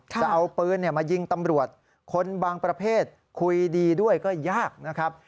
จะเอาปืนมายิงตำรวจคนบางประเภทคุยดีด้วยก็ยากนะครับ